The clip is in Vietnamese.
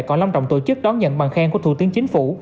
còn long trọng tổ chức đón nhận bằng khen của thủ tướng chính phủ